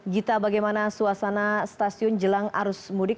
gita bagaimana suasana stasiun jelang arus mudik